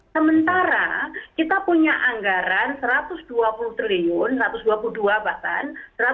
sementara kita punya anggaran rp satu ratus dua puluh triliun satu ratus dua puluh dua bahkan